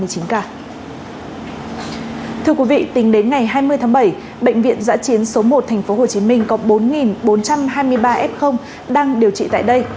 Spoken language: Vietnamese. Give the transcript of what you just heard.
thưa quý vị tính đến ngày hai mươi tháng bảy bệnh viện giã chiến số một thành phố hồ chí minh có bốn bốn trăm hai mươi ba f đang điều trị tại đây